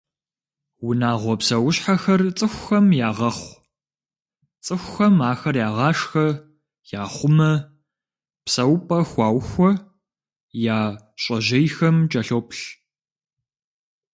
Унагъуэ псэущхьэхэр цӏыхухэм ягъэхъу, цӏыхухэм ахэр ягъашхэ, яхъумэ, псэупӏэ хуаухуэ, я щӏэжьейхэм кӏэлъоплъ.